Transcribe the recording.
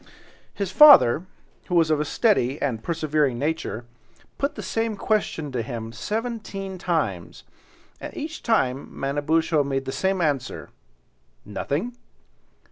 His father, who was of a steady and persevering nature, put the same question to him seventeen times, and each time Manabozho made the same answer—"Nothing."